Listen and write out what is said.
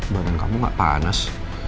badan kamu gak panas